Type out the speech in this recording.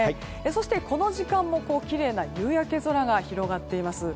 そしてこの時間もきれいな夕焼け空が広がっています。